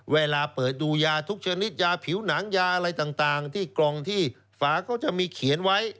เวลาเปิดดูยาทุกชนิดยาผิวหนังยาอะไรต่างที่กล่องที่ฝาเขาจะมีเขียนไว้